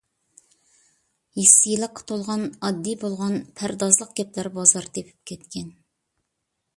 ھىسسىيلىققا تولغان ئاددىي بولغان پەردازلىق گەپلەر بازار تېپىپ كەتكەن.